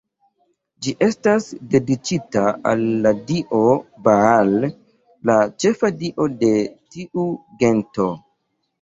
Ĝi estis dediĉita al la dio Baal, la ĉefa dio de tiu gento.